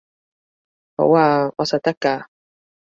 好吖，我實得㗎